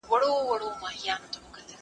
هغه څوک چي واښه راوړي منظم وي!